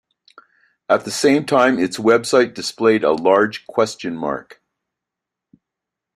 At the same time, its website displayed a large question mark.